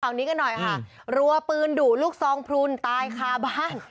นี้กันหน่อยค่ะรัวปืนดุลูกซองพลุนตายคาบ้าน